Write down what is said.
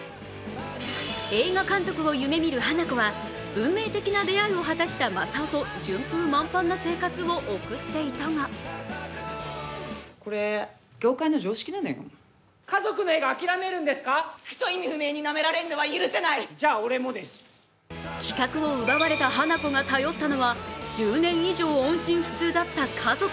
映画監督を夢みる花子は運命的な出会いを果たした正夫と順風満帆な生活を送っていたが企画を奪われた花子が頼ったのは１０年以上音信不通だった家族。